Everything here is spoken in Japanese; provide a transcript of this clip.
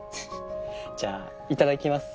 じゃあいただきます。